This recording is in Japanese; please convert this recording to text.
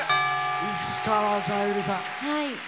石川さゆりさん。